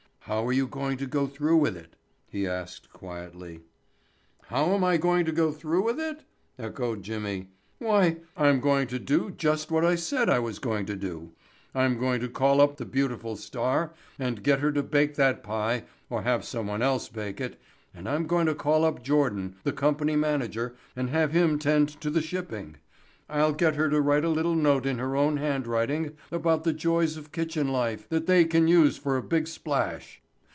"How are you going to go through with it?" he asked quietly. "How am I going to go through with it?" echoed Jimmy. "Why I'm going to do just what I said I was going to do. I'm going to call up the beautiful star and get her to bake that pie or have someone else bake it and I'm going to call up Jordan, the company manager and have him tend to the shipping. I'll get her to write a little note in her own handwriting about the joys of kitchen life that they can use for a big splash."